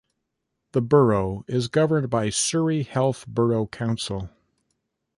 The Borough is governed by Surrey Heath Borough Council.